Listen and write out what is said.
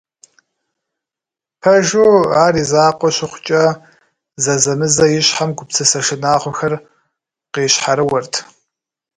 Пэжу, ар и закъуэ щыхъукӏэ, зэзэмызэ и щхьэм гупсысэ шынагъуэхэр къищхьэрыуэрт.